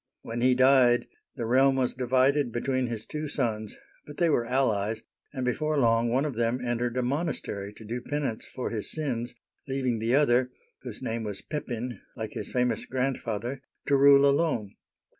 When he died, the realm was divided between his two sons; but they were allies, and before long one of uigiTizea Dy vjiOOQlC 66 OLD FRANCE them entered a monastery to do penance for his sins, leav ing the other — whose name was Pepin, like his famous grandfather — to rule alone.